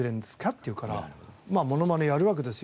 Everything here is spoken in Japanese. って言うからモノマネやるわけですよ。